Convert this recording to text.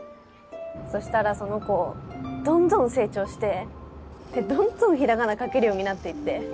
そしたらその子どんどん成長してどんどんひらがな書けるようになっていって。